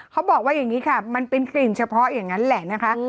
เขาบอกว่าอย่างนี้ค่ะมันเป็นกลิ่นเฉพาะอย่างนั้นแหละนะคะ